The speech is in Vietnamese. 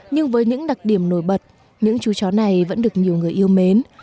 nhưng với những đặc điểm nổi bật những chú chó này vẫn được nhiều người yêu mến